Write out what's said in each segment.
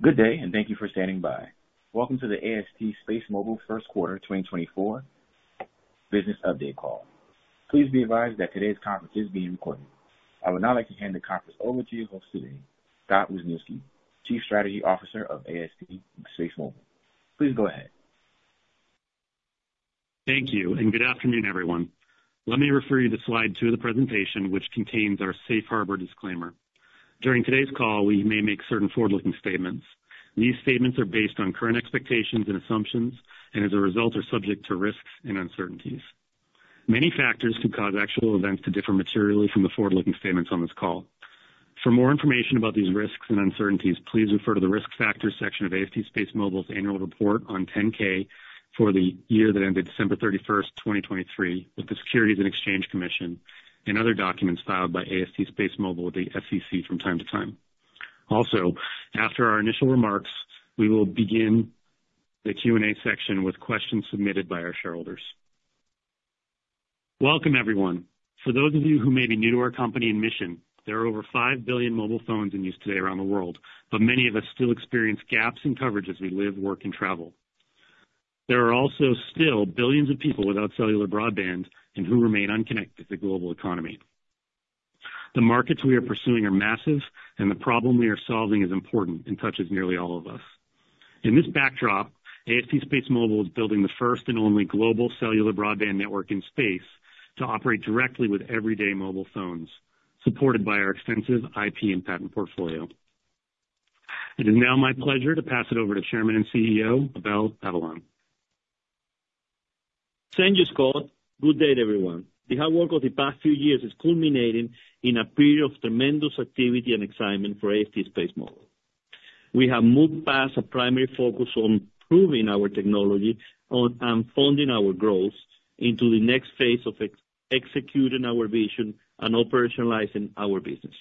Good day, and thank you for standing by. Welcome to the AST SpaceMobile Q1 2024 Business Update call. Please be advised that today's conference is being recorded. I would now like to hand the conference over to your host today, Scott Wisniewski, Chief Strategy Officer of AST SpaceMobile. Please go ahead. Thank you, and good afternoon, everyone. Let me refer you to slide 2 of the presentation, which contains our safe harbor disclaimer. During today's call, we may make certain forward-looking statements. These statements are based on current expectations and assumptions, and as a result, are subject to risks and uncertainties. Many factors could cause actual events to differ materially from the forward-looking statements on this call. For more information about these risks and uncertainties, please refer to the Risk Factors section of AST SpaceMobile's annual report on 10-K for the year that ended December 31, 2023, with the Securities and Exchange Commission and other documents filed by AST SpaceMobile with the SEC from time to time. Also, after our initial remarks, we will begin the Q&A section with questions submitted by our shareholders. Welcome, everyone. For those of you who may be new to our company and mission, there are over 5 billion mobile phones in use today around the world, but many of us still experience gaps in coverage as we live, work and travel. There are also still billions of people without cellular broadband and who remain unconnected to the global economy. The markets we are pursuing are massive, and the problem we are solving is important and touches nearly all of us. In this backdrop, AST SpaceMobile is building the first and only global cellular broadband network in space to operate directly with everyday mobile phones, supported by our extensive IP and patent portfolio. It is now my pleasure to pass it over to Chairman and CEO, Abel Avellan. Thank you, Scott. Good day, everyone. The hard work of the past few years is culminating in a period of tremendous activity and excitement for AST SpaceMobile. We have moved past a primary focus on improving our technology, funding our growth into the next phase of executing our vision and operationalizing our business.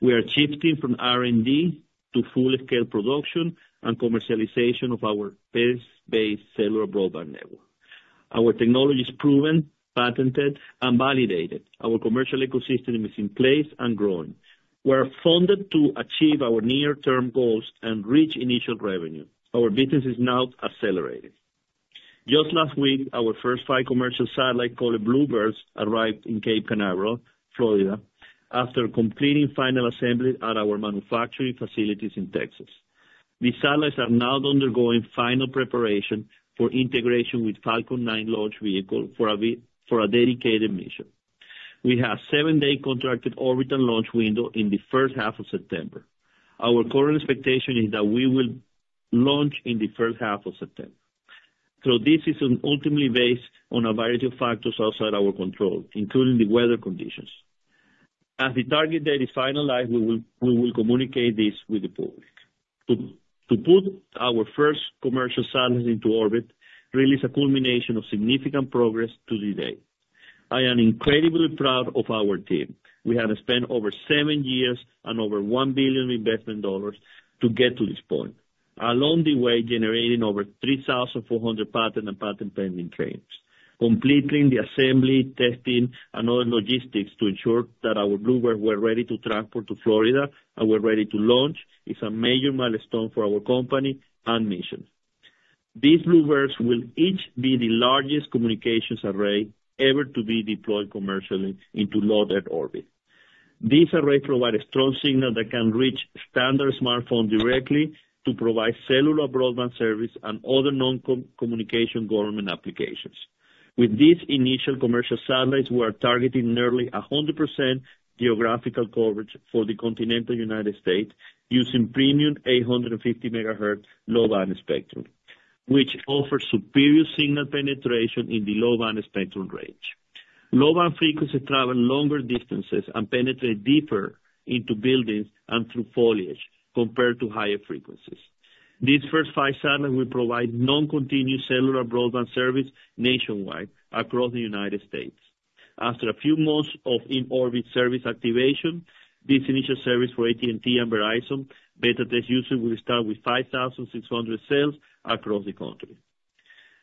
We are shifting from R&D to full-scale production and commercialization of our space-based cellular broadband network. Our technology is proven, patented and validated. Our commercial ecosystem is in place and growing. We are funded to achieve our near-term goals and reach initial revenue. Our business is now accelerating. Just last week, our first five commercial satellites, called BlueBird, arrived in Cape Canaveral, Florida, after completing final assembly at our manufacturing facilities in Texas. These satellites are now undergoing final preparation for integration with Falcon 9 launch vehicle for a dedicated mission. We have seven-day contracted orbital launch window in the H1 of September. Our current expectation is that we will launch in the H1 of September. So this is ultimately based on a variety of factors outside our control, including the weather conditions. As the target date is finalized, we will communicate this with the public. To put our first commercial satellites into orbit really is a culmination of significant progress to this day. I am incredibly proud of our team. We have spent over seven years and over $1 billion investment dollars to get to this point, along the way, generating over 3,400 patents and patent-pending claims. Completing the assembly, testing and other logistics to ensure that our BlueBirds were ready to transport to Florida and were ready to launch is a major milestone for our company and mission. These BlueBirds will each be the largest communications array ever to be deployed commercially into low-Earth orbit. These arrays provide a strong signal that can reach standard smartphone directly to provide cellular broadband service and other known communication government applications. With these initial commercial satellites, we are targeting nearly 100% geographical coverage for the continental United States using premium 850 MHz low-band spectrum, which offers superior signal penetration in the low-band spectrum range. Low-band frequencies travel longer distances and penetrate deeper into buildings and through foliage compared to higher frequencies. These first five satellites will provide non-continuous cellular broadband service nationwide across the United States. After a few months of in-orbit service activation, this initial service for AT&T and Verizon beta test users will start with 5,600 cells across the country.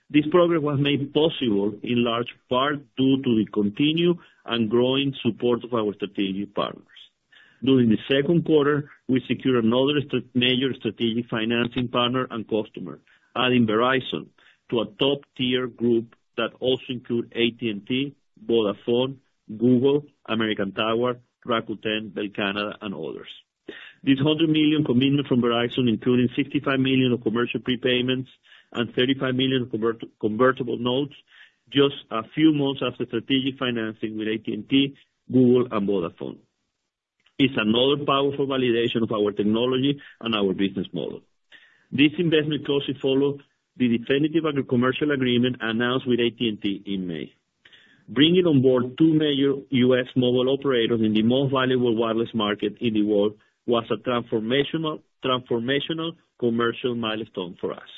This program was made possible in large part due to the continued and growing support of our strategic partners. During the Q2, we secured another major strategic financing partner and customer, adding Verizon to a top-tier group that also include AT&T, Vodafone, Google, American Tower, Rakuten, Bell Canada, and others. This $100 million commitment from Verizon, including $65 million of commercial prepayments and $35 million convertible notes just a few months after strategic financing with AT&T, Google and Vodafone, is another powerful validation of our technology and our business model. This investment closely follows the definitive and commercial agreement announced with AT&T in May. Bringing on board two major U.S. mobile operators in the most valuable wireless market in the world was a transformational commercial milestone for us.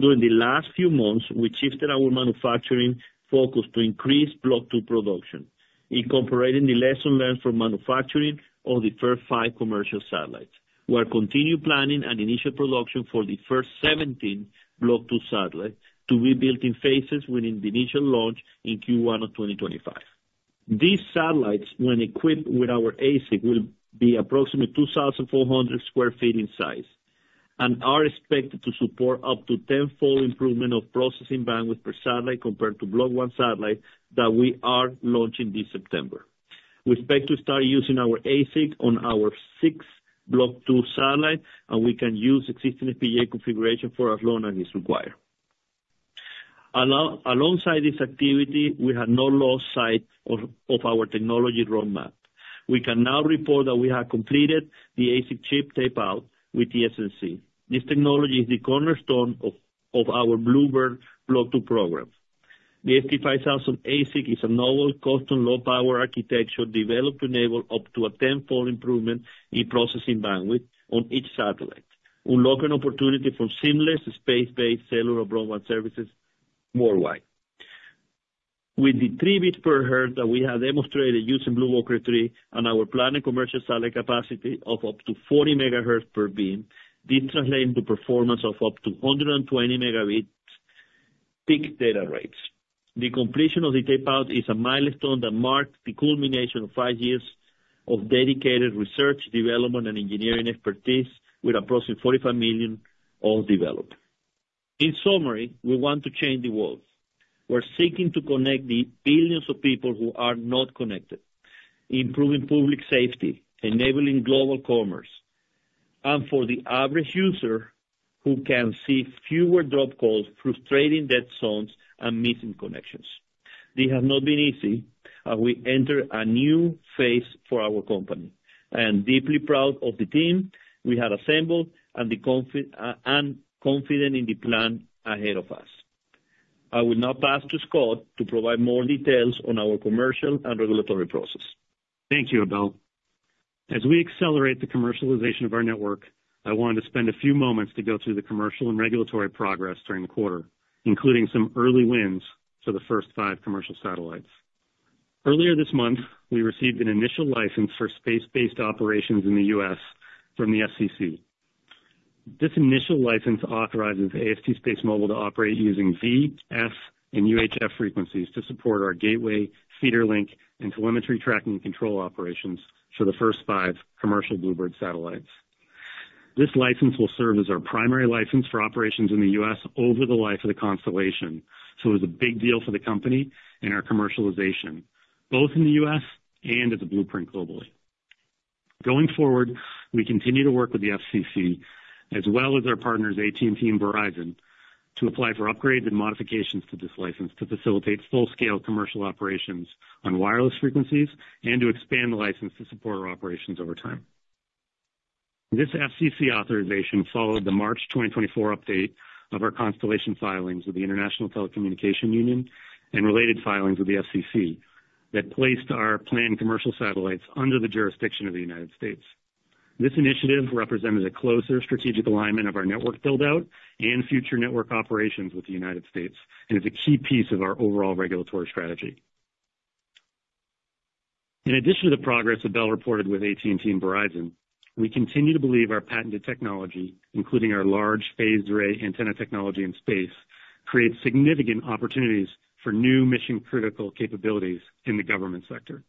During the last few months, we shifted our manufacturing focus to increase Block 2 production, incorporating the lesson learned from manufacturing of the first 5 commercial satellites. We are continuing planning and initial production for the first 17 Block 2 satellites to be built in phases within the initial launch in Q1 of 2025.... These satellites, when equipped with our ASIC, will be approximately 2,400 sq ft in size and are expected to support up to tenfold improvement of processing bandwidth per satellite compared to Block 1 satellite that we are launching this September. We expect to start using our ASIC on our sixth Block 2 satellite, and we can use existing FPGA configuration for as long as it's required. Alongside this activity, we have not lost sight of our technology roadmap. We can now report that we have completed the ASIC chip tape-out with TSMC. This technology is the cornerstone of our BlueBird Block 2 program. The AST5000 ASIC is a novel, custom, low-power architecture developed to enable up to a tenfold improvement in processing bandwidth on each satellite, unlocking opportunity for seamless space-based cellular broadband services worldwide. With the 3 bits/Hz that we have demonstrated using BlueWalker 3 and our planned commercial satellite capacity of up to 40 MHz per beam, this translates into performance of up to 120 Mbps peak data rates. The completion of the tape-out is a milestone that marks the culmination of five years of dedicated research, development, and engineering expertise, with approximately $45 million all developed. In summary, we want to change the world. We're seeking to connect the billions of people who are not connected, improving public safety, enabling global commerce, and for the average user, who can see fewer drop calls, frustrating dead zones, and missing connections. This has not been easy, and we enter a new phase for our company. I am deeply proud of the team we have assembled and confident in the plan ahead of us. I will now pass to Scott to provide more details on our commercial and regulatory process. Thank you, Abel. As we accelerate the commercialization of our network, I wanted to spend a few moments to go through the commercial and regulatory progress during the quarter, including some early wins for the first five commercial satellites. Earlier this month, we received an initial license for space-based operations in the U.S. from the FCC. This initial license authorizes AST SpaceMobile to operate using V, S, and UHF frequencies to support our gateway, feeder link, and telemetry tracking and control operations for the first five commercial BlueBird satellites. This license will serve as our primary license for operations in the U.S. over the life of the constellation, so it's a big deal for the company and our commercialization, both in the U.S. and as a blueprint globally. Going forward, we continue to work with the FCC, as well as our partners, AT&T and Verizon, to apply for upgrades and modifications to this license to facilitate full-scale commercial operations on wireless frequencies and to expand the license to support our operations over time. This FCC authorization followed the March 2024 update of our constellation filings with the International Telecommunication Union and related filings with the FCC, that placed our planned commercial satellites under the jurisdiction of the United States. This initiative represented a closer strategic alignment of our network build-out and future network operations with the United States, and is a key piece of our overall regulatory strategy. In addition to the progress Abel reported with AT&T and Verizon, we continue to believe our patented technology, including our large phased array antenna technology in space, creates significant opportunities for new mission-critical capabilities in the government sector.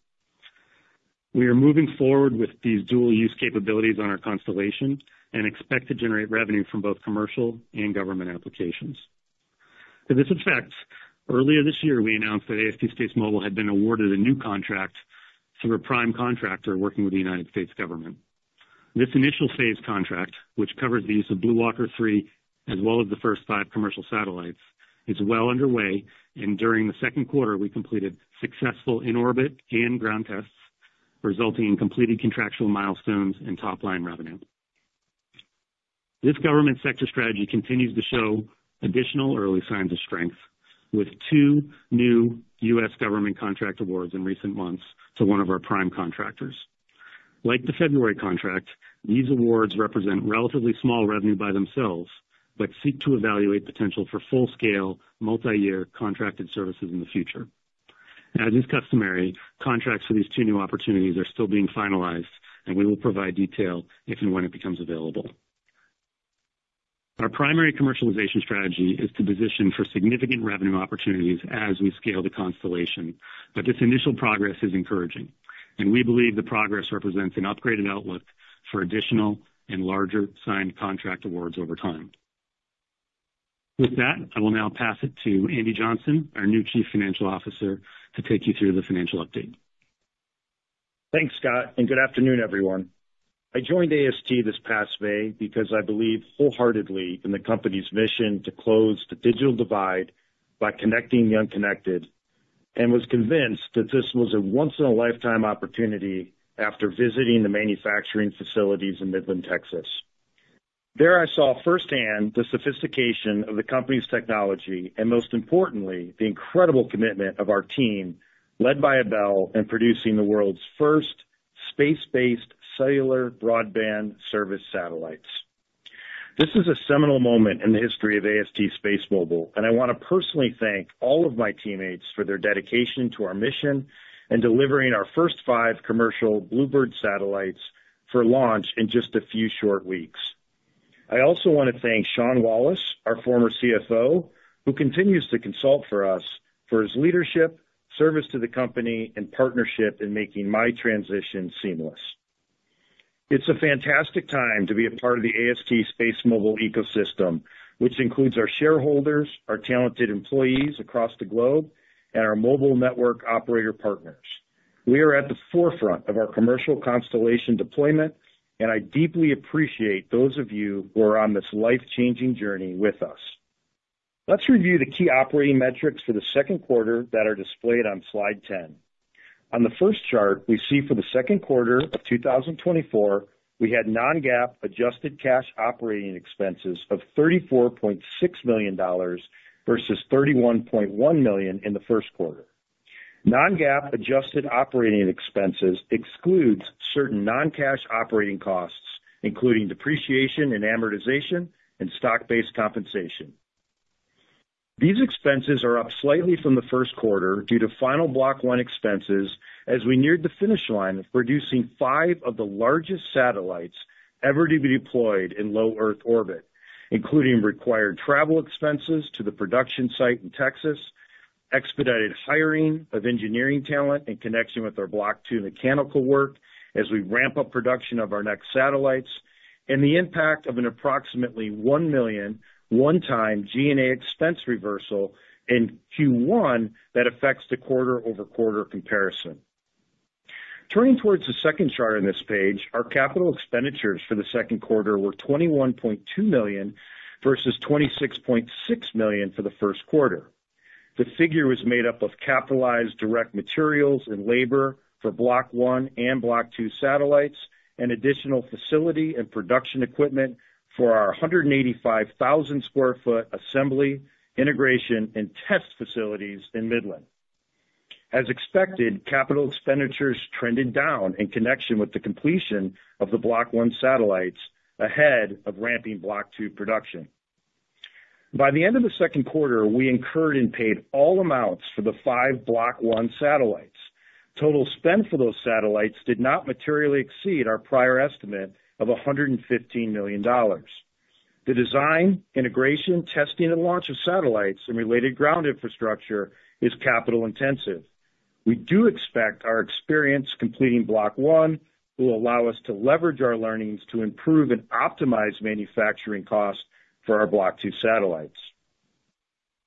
We are moving forward with these dual-use capabilities on our constellation and expect to generate revenue from both commercial and government applications. To this effect, earlier this year, we announced that AST SpaceMobile had been awarded a new contract through a prime contractor working with the U.S. Government. This initial phase contract, which covers the use of BlueWalker 3, as well as the first five commercial satellites, is well underway, and during the Q2, we completed successful in-orbit and ground tests, resulting in completed contractual milestones and top-line revenue. This government sector strategy continues to show additional early signs of strength, with two new U.S. Government contract awards in recent months to one of our prime contractors. Like the February contract, these awards represent relatively small revenue by themselves, but seek to evaluate potential for full-scale, multiyear contracted services in the future. As is customary, contracts for these two new opportunities are still being finalized, and we will provide detail if and when it becomes available. Our primary commercialization strategy is to position for significant revenue opportunities as we scale the constellation, but this initial progress is encouraging, and we believe the progress represents an upgraded outlook for additional and larger signed contract awards over time. With that, I will now pass it to Andy Johnson, our new Chief Financial Officer, to take you through the financial update. Thanks, Scott, and good afternoon, everyone. I joined AST this past May because I believe wholeheartedly in the company's mission to close the digital divide by connecting the unconnected and was convinced that this was a once-in-a-lifetime opportunity after visiting the manufacturing facilities in Midland, Texas. There, I saw firsthand the sophistication of the company's technology and, most importantly, the incredible commitment of our team, led by Abel, in producing the world's first space-based cellular broadband service satellites. This is a seminal moment in the history of AST SpaceMobile, and I want to personally thank all of my teammates for their dedication to our mission and delivering our first five commercial BlueBird satellites for launch in just a few short weeks. I also wanna thank Sean Wallace, our former CFO, who continues to consult for us, for his leadership, service to the company, and partnership in making my transition seamless. It's a fantastic time to be a part of the AST SpaceMobile ecosystem, which includes our shareholders, our talented employees across the globe, and our mobile network operator partners. We are at the forefront of our commercial constellation deployment, and I deeply appreciate those of you who are on this life-changing journey with us. Let's review the key operating metrics for the Q2 that are displayed on Slide 10. On the first chart, we see for the Q2 of 2024, we had non-GAAP adjusted cash operating expenses of $34.6 million versus $31.1 million in the Q1. Non-GAAP adjusted operating expenses excludes certain non-cash operating costs, including depreciation and amortization and stock-based compensation. These expenses are up slightly from the Q1 due to final Block 1 expenses as we neared the finish line of producing 5 of the largest satellites ever to be deployed in low Earth orbit, including required travel expenses to the production site in Texas, expedited hiring of engineering talent in connection with our Block 2 mechanical work as we ramp up production of our next satellites, and the impact of an approximately $1 million, one-time G&A expense reversal in Q1 that affects the quarter-over-quarter comparison. Turning toward the second chart on this page, our capital expenditures for the Q2 were $21.2 million versus $26.6 million for the Q1. The figure was made up of capitalized direct materials and labor for Block 1 and Block 2 satellites, and additional facility and production equipment for our 185,000 sq ft assembly, integration, and test facilities in Midland. As expected, capital expenditures trended down in connection with the completion of the Block 1 satellites ahead of ramping Block 2 production. By the end of the Q2, we incurred and paid all amounts for the five Block 1 satellites. Total spend for those satellites did not materially exceed our prior estimate of $115 million. The design, integration, testing, and launch of satellites and related ground infrastructure is capital intensive. We do expect our experience completing Block 1 will allow us to leverage our learnings to improve and optimize manufacturing costs for our Block 2 satellites.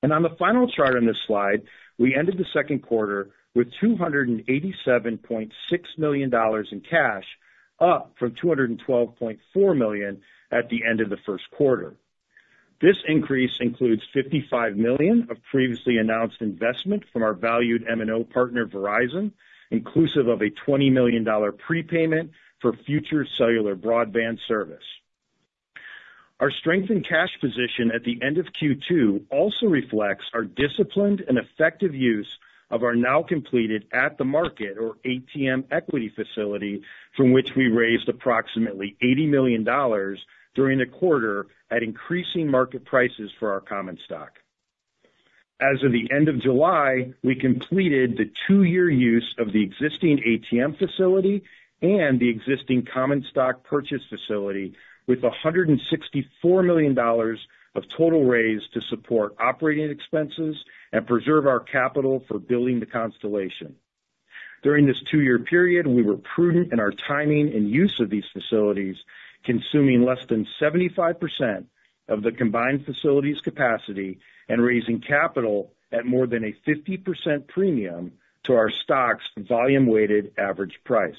On the final chart on this slide, we ended the Q2 with $287.6 million in cash, up from $212.4 million at the end of the Q1. This increase includes $55 million of previously announced investment from our valued MNO partner, Verizon, inclusive of a $20 million prepayment for future cellular broadband service. Our strengthened cash position at the end of Q2 also reflects our disciplined and effective use of our now completed at-the-market, or ATM, equity facility, from which we raised approximately $80 million during the quarter at increasing market prices for our common stock. As of the end of July, we completed the two-year use of the existing ATM facility and the existing common stock purchase facility with $164 million of total raise to support operating expenses and preserve our capital for building the constellation. During this two-year period, we were prudent in our timing and use of these facilities, consuming less than 75% of the combined facilities capacity and raising capital at more than a 50% premium to our stock's volume-weighted average price.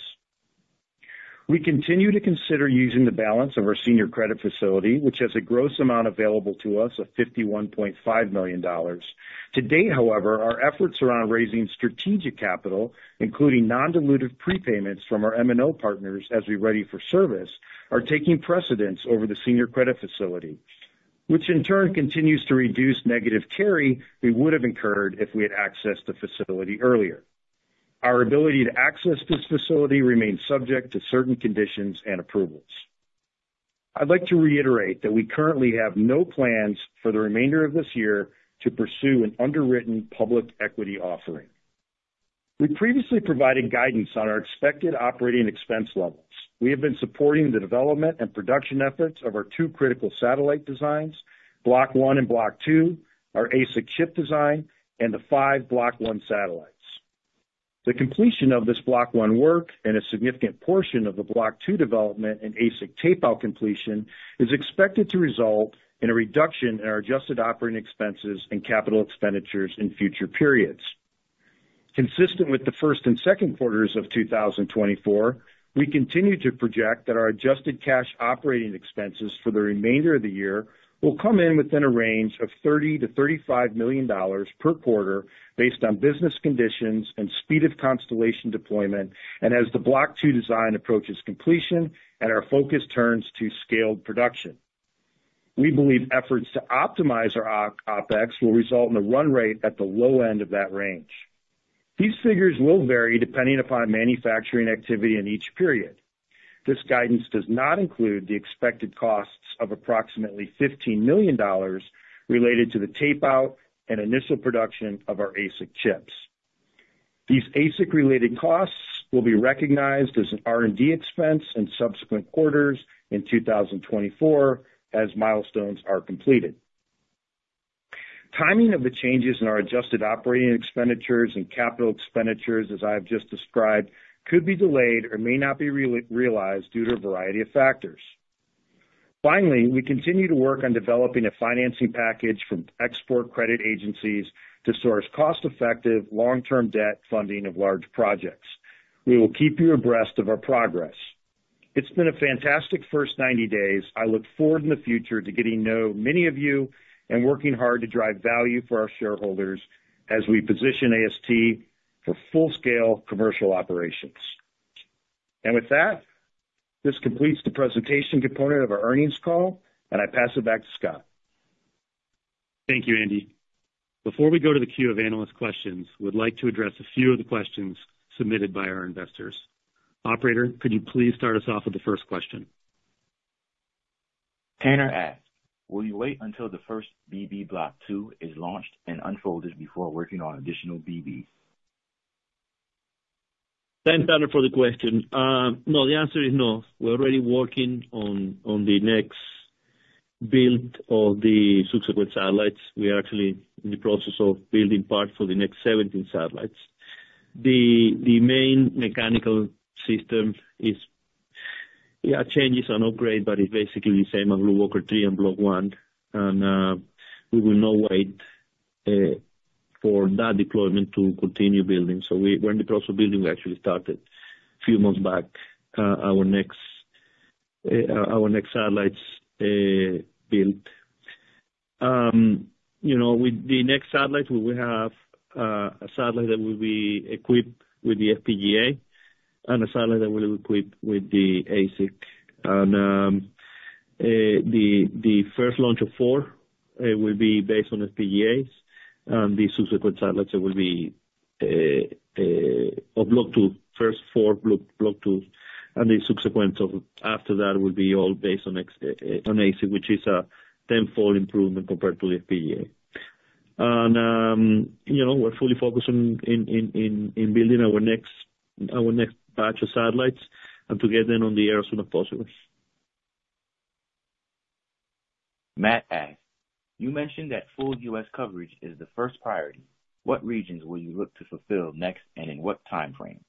We continue to consider using the balance of our senior credit facility, which has a gross amount available to us of $51.5 million. To date, however, our efforts around raising strategic capital, including non-dilutive prepayments from our MNO partners as we ready for service, are taking precedence over the senior credit facility, which in turn continues to reduce negative carry we would have incurred if we had accessed the facility earlier. Our ability to access this facility remains subject to certain conditions and approvals. I'd like to reiterate that we currently have no plans for the remainder of this year to pursue an underwritten public equity offering. We previously provided guidance on our expected operating expense levels. We have been supporting the development and production efforts of our two critical satellite designs, Block 1 and Block 2, our ASIC chip design, and the five Block 1 satellites. The completion of this Block 1 work and a significant portion of the Block 2 development and ASIC tape-out completion is expected to result in a reduction in our adjusted OpEx and CapEx in future periods. Consistent with the first and Q2s of 2024, we continue to project that our adjusted cash operating expenses for the remainder of the year will come in within a range of $30 million to $35 million per quarter based on business conditions and speed of constellation deployment and as the Block 2 design approaches completion and our focus turns to scaled production. We believe efforts to optimize our OpEx will result in a run rate at the low end of that range. These figures will vary depending upon manufacturing activity in each period. This guidance does not include the expected costs of approximately $15 million related to the tape-out and initial production of our ASIC chips. These ASIC related costs will be recognized as an R&D expense in subsequent quarters in 2024, as milestones are completed. Timing of the changes in our adjusted operating expenditures and capital expenditures, as I have just described, could be delayed or may not be realized due to a variety of factors. Finally, we continue to work on developing a financing package from export credit agencies to source cost-effective, long-term debt funding of large projects. We will keep you abreast of our progress. It's been a fantastic first 90 days. I look forward in the future to getting to know many of you and working hard to drive value for our shareholders as we position AST for full-scale commercial operations. With that, this completes the presentation component of our earnings call, and I pass it back to Scott. Thank you, Andy. Before we go to the queue of analyst questions, we'd like to address a few of the questions submitted by our investors. Operator, could you please start us off with the first question? Tanner asked, "Will you wait until the first BB Block 2 is launched and unfolded before working on additional BBs? Thanks, Tanner, for the question. No, the answer is no. We're already working on the next build of the subsequent satellites. We are actually in the process of building parts for the next 17 satellites. The main mechanical system is, yeah, changes on upgrade, but it's basically the same on BlueWalker 3 and Block 1. And we will not wait for that deployment to continue building. So we're in the process of building. We actually started a few months back our next satellites build. You know, with the next satellites, we will have a satellite that will be equipped with the FPGA and a satellite that will be equipped with the ASIC. The first launch of 4 will be based on FPGAs, and the subsequent satellites that will be of Block 2, first four Block 2, and the subsequent after that will be all based on ASIC, which is a tenfold improvement compared to the FPGA. You know, we're fully focused on building our next batch of satellites and to get them on the air as soon as possible. Matt asked, "You mentioned that full U.S. coverage is the first priority. What regions will you look to fulfill next, and in what time frame?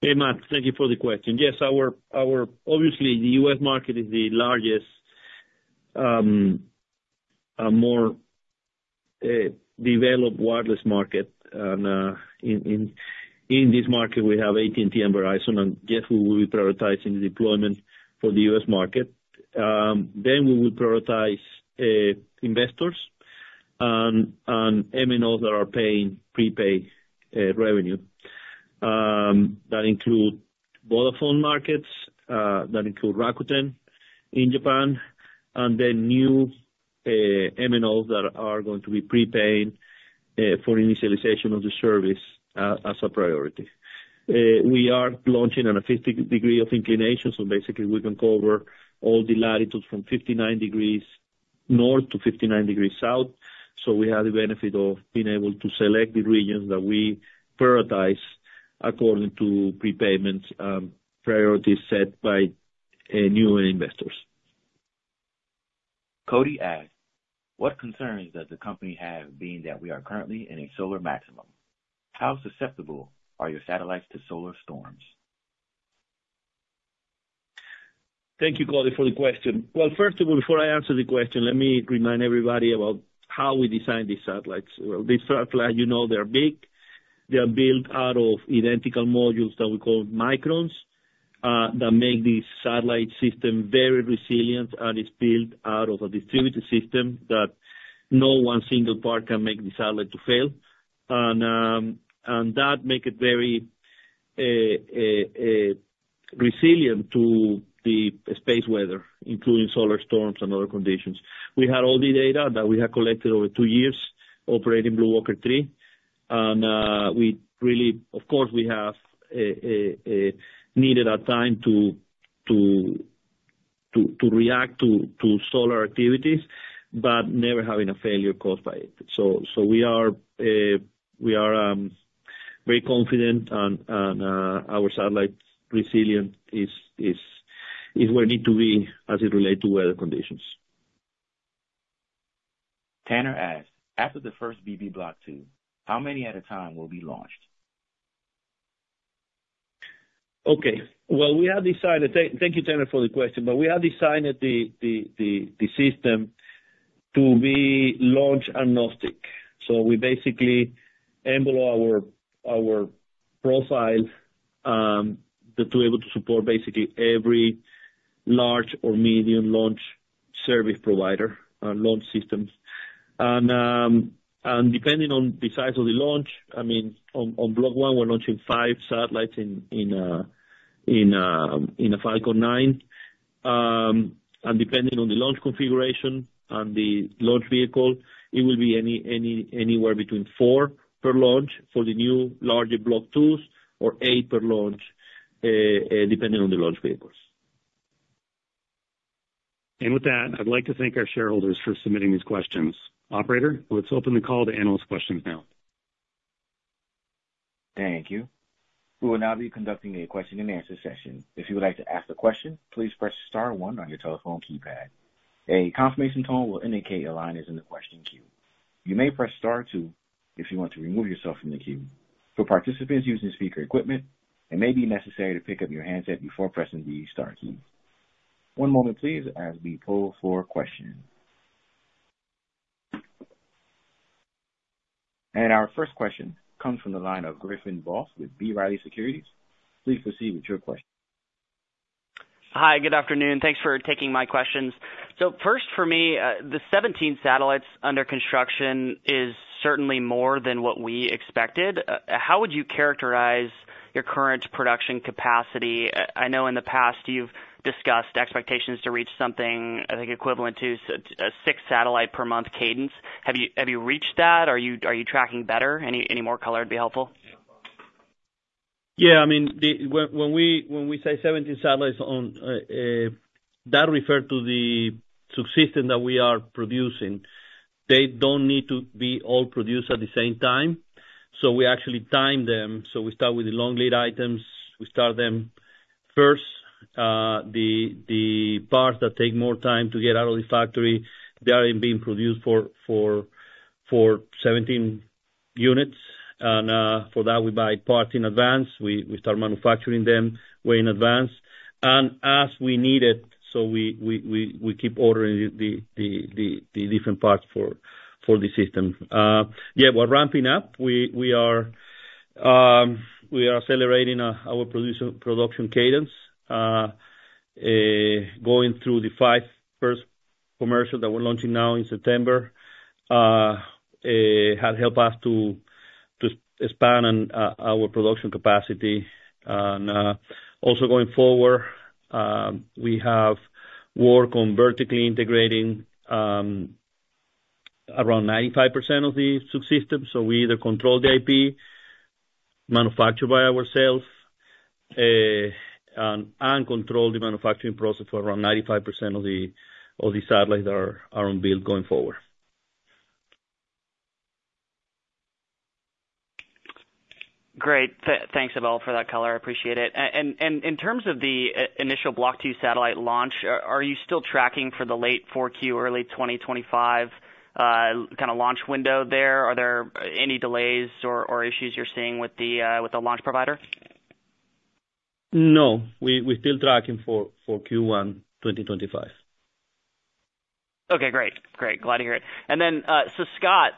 Hey, Matt, thank you for the question. Yes, our obviously, the U.S. market is the largest, more developed wireless market. In this market, we have AT&T and Verizon, and yes, we will be prioritizing the deployment for the U.S. market. Then we will prioritize investors and MNOs that are paying prepaid revenue. That include Vodafone markets that include Rakuten in Japan, and then new MNOs that are going to be prepaid for initialization of the service as a priority. We are launching on a 50 degree of inclination, so basically we can cover all the latitudes from 59 degrees north to 59 degrees south. So we have the benefit of being able to select the regions that we prioritize according to prepayments, priorities set by new investors. Cody asked, "What concerns does the company have, being that we are currently in a solar maximum? How susceptible are your satellites to solar storms? Thank you, Cody, for the question. Well, first of all, before I answer the question, let me remind everybody about how we designed these satellites. Well, these satellites, you know, they're big. They are built out of identical modules that we call Microns that make the satellite system very resilient, and it's built out of a distributed system that no one single part can make the satellite to fail. And that make it very resilient to the space weather, including solar storms and other conditions. We had all the data that we had collected over two years operating BlueWalker 3. And we really, of course, we have needed our time to react to solar activities, but never having a failure caused by it. So we are very confident on our satellite's resilience is where it need to be as it relate to weather conditions. Tanner asked, "After the first BlueBird Block 2, how many at a time will be launched? Okay, well, we have decided. Thank you, Tanner, for the question, but we have designed the system to be launch agnostic. So we basically envelope our profile to be able to support basically every large or medium launch service provider launch systems. And depending on the size of the launch, I mean, on Block 1, we're launching 5 satellites in a Falcon 9. And depending on the launch configuration and the launch vehicle, it will be anywhere between four per launch for the new larger Block 2s or eight per launch, depending on the launch vehicles. And with that, I'd like to thank our shareholders for submitting these questions. Operator, let's open the call to analyst questions now. Thank you. We will now be conducting a question and answer session. If you would like to ask a question, please press star one on your telephone keypad. A confirmation tone will indicate your line is in the question queue. You may press star two if you want to remove yourself from the queue. For participants using speaker equipment, it may be necessary to pick up your handset before pressing the star key. One moment please, as we poll for questions. Our first question comes from the line of Griffin Boss with B. Riley Securities. Please proceed with your question. Hi, good afternoon. Thanks for taking my questions. So first for me, the 17 satellites under construction is certainly more than what we expected. How would you characterize your current production capacity? I know in the past you've discussed expectations to reach something, I think, equivalent to 6 satellite per month cadence. Have you reached that? Are you tracking better? Any more color would be helpful. Yeah, I mean, when we say 17 satellites on that refer to the subsystem that we are producing. They don't need to be all produced at the same time. So we actually time them, so we start with the long lead items, we start them first. The parts that take more time to get out of the factory, they are being produced for 17 units. And for that, we buy parts in advance. We start manufacturing them way in advance. And as we need it, so we keep ordering the different parts for the system. Yeah, we're ramping up. We are accelerating our production cadence. Going through the first five commercial that we're launching now in September has helped us to expand on our production capacity. Also going forward, we have worked on vertically integrating around 95% of the subsystems. We either control the IP, manufacture by ourselves, and control the manufacturing process for around 95% of the satellites that are on build going forward. Great. Thanks, Abel, for that color. I appreciate it. And in terms of the initial Block 2 satellite launch, are you still tracking for the late Q4, early 2025 kind of launch window there? Are there any delays or issues you're seeing with the launch provider? No, we're still tracking for Q1, 2025. Okay, great. Great, glad to hear it. And then, so Scott,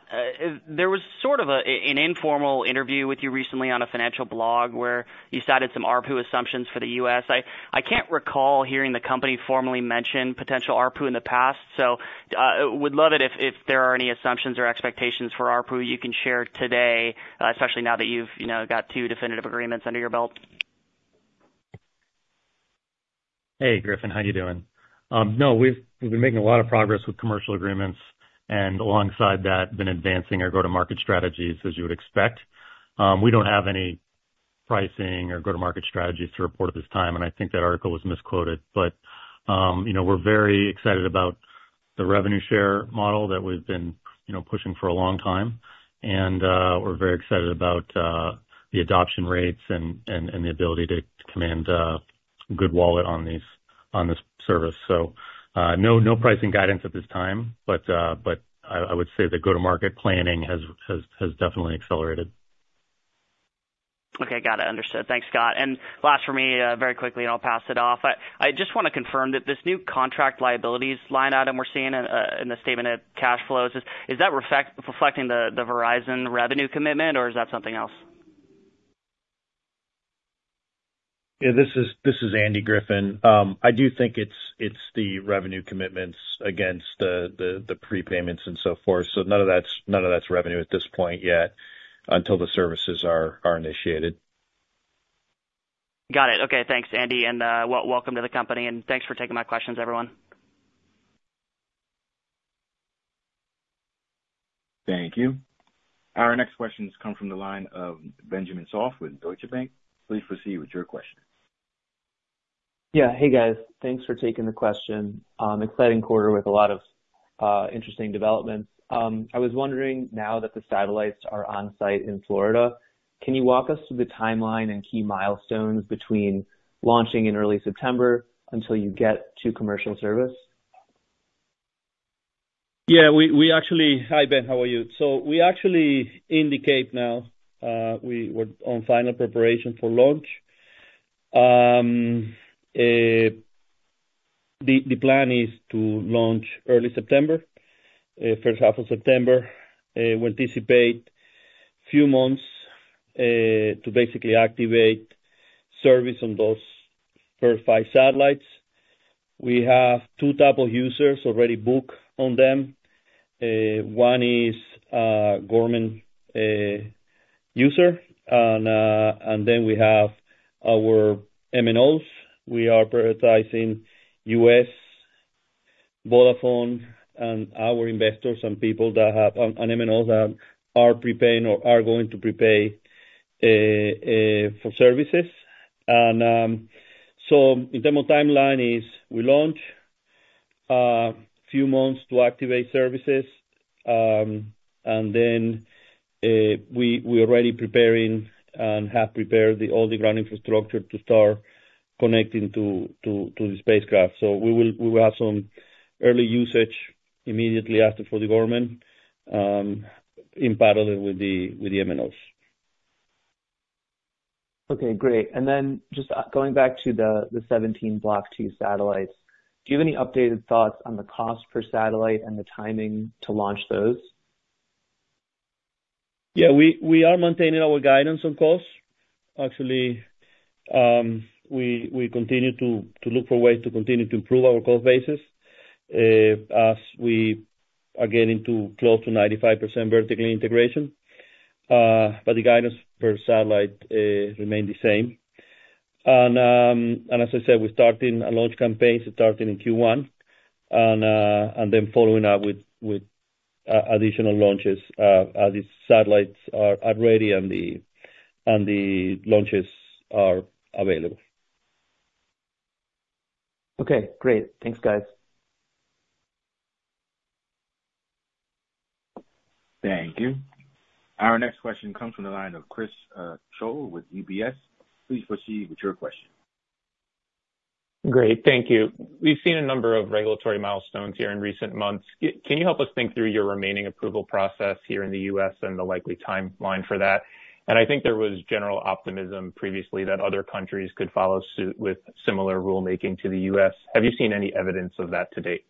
there was sort of an informal interview with you recently on a financial blog where you cited some ARPU assumptions for the U.S. I can't recall hearing the company formally mention potential ARPU in the past, so, would love it if there are any assumptions or expectations for ARPU you can share today, especially now that you've, you know, got two definitive agreements under your belt. Hey, Griffin, how you doing? No, we've been making a lot of progress with commercial agreements, and alongside that, been advancing our go-to-market strategies, as you would expect. We don't have any pricing or go-to-market strategies to report at this time, and I think that article was misquoted. But, you know, we're very excited about the revenue share model that we've been, you know, pushing for a long time. And, we're very excited about the adoption rates and the ability to command good wallet on these- on this service. So, no pricing guidance at this time, but I would say the go-to-market planning has definitely accelerated. Okay, got it. Understood. Thanks, Scott. And last for me, very quickly, and I'll pass it off. I just want to confirm that this new contract liabilities line item we're seeing in the statement of cash flows, is that reflecting the Verizon revenue commitment, or is that something else? Yeah, this is Andy Johnson. I do think it's the revenue commitments against the prepayments and so forth. So none of that's revenue at this point yet, until the services are initiated. Got it. Okay, thanks, Andy, and welcome to the company, and thanks for taking my questions, everyone. Thank you. Our next question comes from the line of Benjamin Soff with Deutsche Bank. Please proceed with your question. Yeah. Hey, guys. Thanks for taking the question. Exciting quarter with a lot of interesting developments. I was wondering, now that the satellites are on site in Florida, can you walk us through the timeline and key milestones between launching in early September until you get to commercial service? Yeah, we actually... Hi, Ben, how are you? So we actually indicate now, we're on final preparation for launch. The plan is to launch early September, H1 of September. We anticipate few months to basically activate service on those first five satellites. We have two type of users already booked on them. One is government user. And then we have our MNOs. We are prioritizing US Vodafone and our investors and people that have... On MNOs that are prepaying or are going to prepay for services. And so the demo timeline is we launch, few months to activate services, and then we are already preparing and have prepared all the ground infrastructure to start connecting to the spacecraft. So we will have some early usage immediately after for the government, in parallel with the MNOs. Okay, great. And then just going back to the 17 Block 2 satellites, do you have any updated thoughts on the cost per satellite and the timing to launch those? Yeah, we are maintaining our guidance on costs. Actually, we continue to look for ways to continue to improve our cost basis, as we are getting close to 95% vertical integration. But the guidance per satellite remain the same. And as I said, we're starting a launch campaign, starting in Q1, and then following up with additional launches, as these satellites are ready and the launches are available. Okay, great. Thanks, guys. Thank you. Our next question comes from the line of Chris Schoell with UBS. Please proceed with your question. Great. Thank you. We've seen a number of regulatory milestones here in recent months. Can you help us think through your remaining approval process here in the U.S. and the likely timeline for that? And I think there was general optimism previously that other countries could follow suit with similar rulemaking to the U.S. Have you seen any evidence of that to date?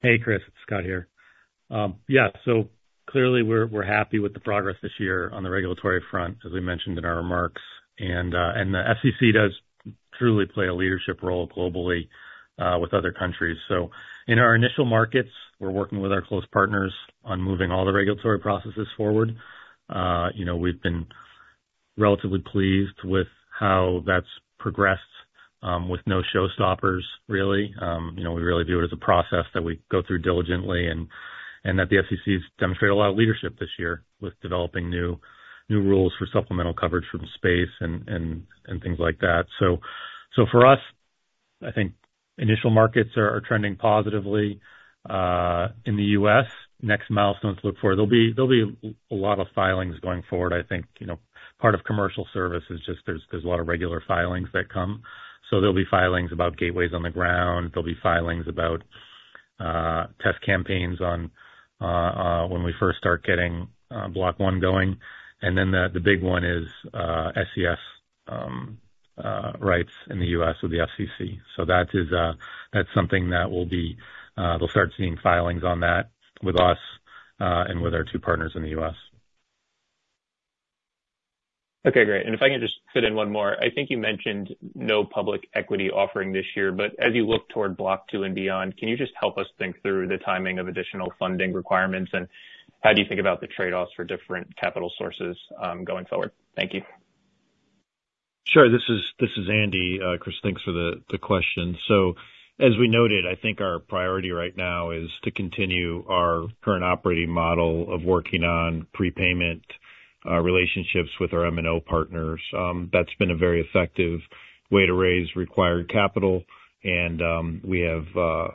Hey, Chris, it's Scott here. Yeah, so clearly, we're happy with the progress this year on the regulatory front, as we mentioned in our remarks. And the FCC does truly play a leadership role globally with other countries. So in our initial markets, we're working with our close partners on moving all the regulatory processes forward. You know, we've been relatively pleased with how that's progressed, with no show stoppers, really. You know, we really view it as a process that we go through diligently, and that the FCC has demonstrated a lot of leadership this year with developing new rules for supplemental coverage for the space and things like that. So for us, I think initial markets are trending positively in the US. Next milestones to look for. There'll be a lot of filings going forward. I think, you know, part of commercial service is just there's a lot of regular filings that come. So there'll be filings about gateways on the ground. There'll be filings about test campaigns when we first start getting Block one going, and then the big one is SCS rights in the U.S. with the FCC. So that is, that's something that will be, we'll start seeing filings on that with us, and with our two partners in the U.S. Okay, great. And if I could just fit in one more. I think you mentioned no public equity offering this year, but as you look toward Block 2 and beyond, can you just help us think through the timing of additional funding requirements, and how do you think about the trade-offs for different capital sources, going forward? Thank you. Sure. This is Andy. Chris, thanks for the question. So as we noted, I think our priority right now is to continue our current operating model of working on prepayment relationships with our MNO partners. That's been a very effective way to raise required capital, and we have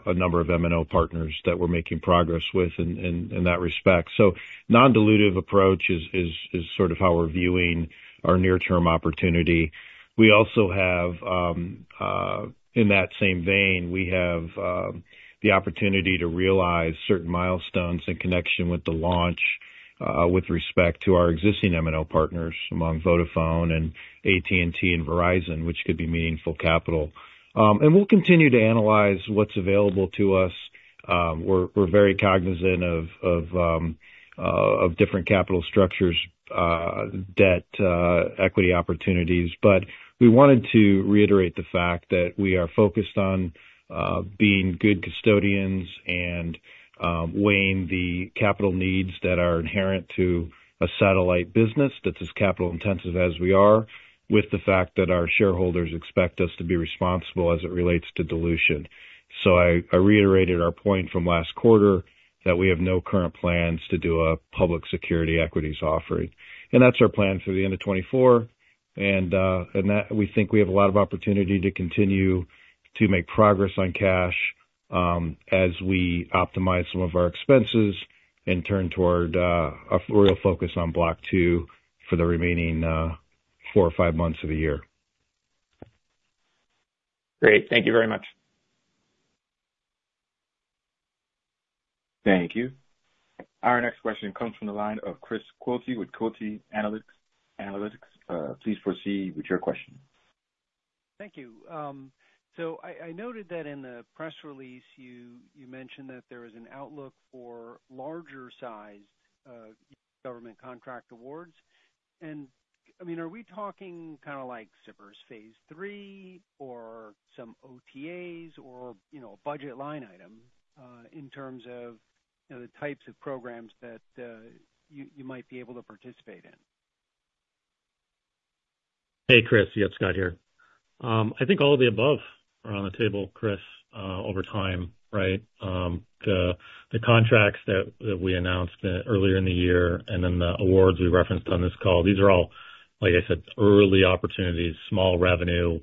a number of MNO partners that we're making progress with in that respect. So non-dilutive approach is sort of how we're viewing our near-term opportunity. We also have, in that same vein, we have the opportunity to realize certain milestones in connection with the launch with respect to our existing MNO partners, among Vodafone and AT&T and Verizon, which could be meaningful capital. And we'll continue to analyze what's available to us. We're very cognizant of different capital structures, debt, equity opportunities. But we wanted to reiterate the fact that we are focused on being good custodians and weighing the capital needs that are inherent to a satellite business that's as capital-intensive as we are, with the fact that our shareholders expect us to be responsible as it relates to dilution. So I reiterated our point from last quarter, that we have no current plans to do a public security equities offering, and that's our plan through the end of 2024. And we think we have a lot of opportunity to continue to make progress on cash, as we optimize some of our expenses and turn toward a real focus on Block 2 for the remaining four or five months of the year. Great. Thank you very much. Thank you. Our next question comes from the line of Chris Quilty with Quilty Analytics. Please proceed with your question. Thank you. So I noted that in the press release, you mentioned that there was an outlook for larger sized government contract awards. I mean, are we talking kind of like SBIRs Phase 3, or some OTAs or, you know, a budget line item in terms of, you know, the types of programs that you might be able to participate in? Hey, Chris. Yeah, Scott here. I think all of the above are on the table, Chris, over time, right? The contracts that we announced earlier in the year, and then the awards we referenced on this call, these are all, like I said, early opportunities, small revenue,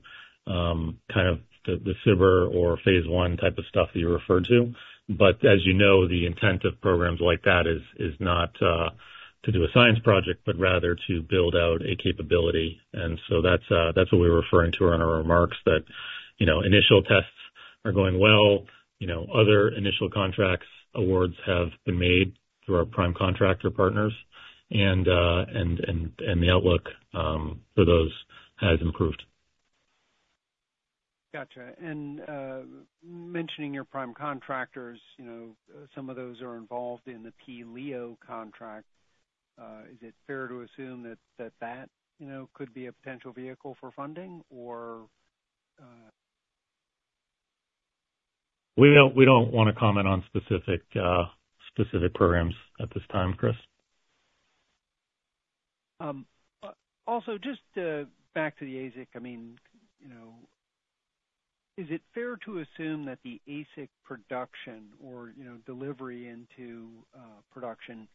kind of the SBIR or phase I type of stuff that you referred to. But as you know, the intent of programs like that is not to do a science project, but rather to build out a capability. And so that's what we're referring to in our remarks that, you know, initial tests are going well. You know, other initial contracts, awards have been made through our prime contractor partners, and the outlook for those has improved. Gotcha. And, mentioning your prime contractors, you know, some of those are involved in the T-LEO contract. Is it fair to assume that you know, could be a potential vehicle for funding or We don't wanna comment on specific programs at this time, Chris. Also, just back to the ASIC. I mean, you know, is it fair to assume that the ASIC production or, you know, delivery into production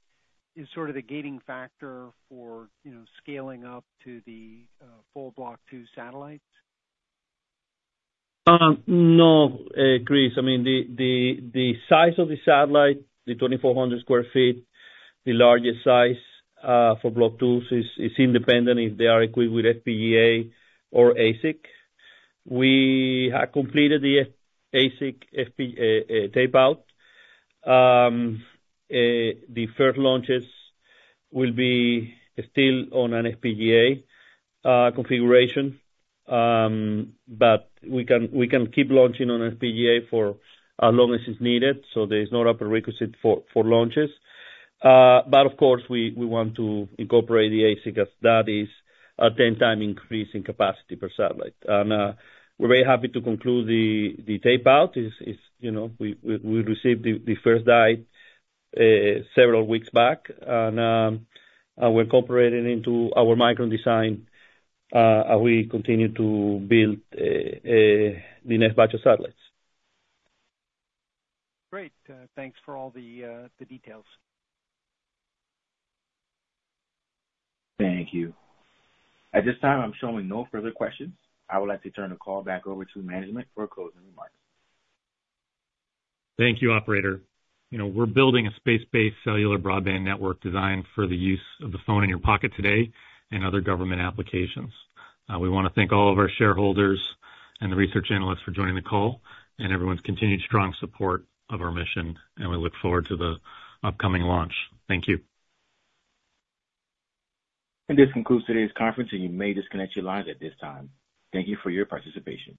is sort of the gating factor for, you know, scaling up to the full Block 2 satellites? No, Chris. I mean, the size of the satellite, the 2,400 sq ft, the largest size, for Block 2s is independent if they are equipped with FPGA or ASIC. We have completed the ASIC tape-out. The first launches will be still on an FPGA configuration. But we can keep launching on an FPGA for as long as it's needed, so there is no upper requisite for launches. But of course, we want to incorporate the ASIC, as that is a 10-time increase in capacity per satellite. And we're very happy to conclude the tape-out. It's, you know, we received the first die several weeks back, and we're incorporating into our Micron design as we continue to build the next batch of satellites. Great. Thanks for all the details. Thank you. At this time, I'm showing no further questions. I would like to turn the call back over to management for closing remarks. Thank you, operator. You know, we're building a space-based cellular broadband network designed for the use of the phone in your pocket today and other government applications. We wanna thank all of our shareholders and the research analysts for joining the call, and everyone's continued strong support of our mission, and we look forward to the upcoming launch. Thank you. This concludes today's conference, and you may disconnect your lines at this time. Thank you for your participation.